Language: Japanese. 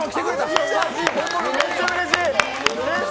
本物、めっちゃうれしい。